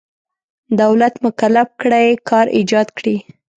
دولت مکلف کړی کار ایجاد کړي.